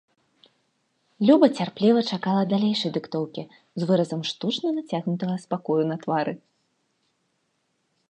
Люба цярпліва чакала далейшай дыктоўкі, з выразам штучна нацягнутага спакою на твары.